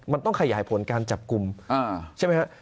มันต้องขยายผลการจับกลุ่มใช่ไหมฮะ